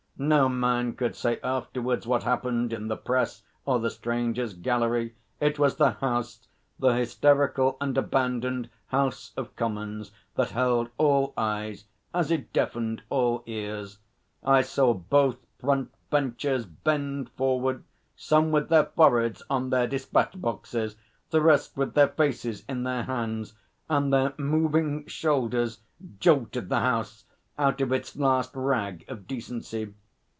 No man could say afterwards what happened in the Press or the Strangers' Gallery. It was the House, the hysterical and abandoned House of Commons that held all eyes, as it deafened all ears. I saw both Front Benches bend forward, some with their foreheads on their despatch boxes, the rest with their faces in their hands; and their moving shoulders jolted the House out of its last rag of decency.